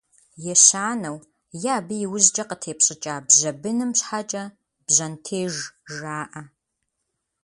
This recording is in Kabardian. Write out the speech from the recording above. Ещанэу е абы и ужькӏэ къытепщӏыкӏа бжьэ быным щхьэкӏэ «бжьэнтеж» жаӏэ.